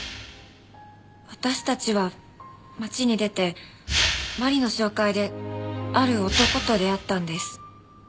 私たちは街に出て麻里の紹介である男と出会ったんです。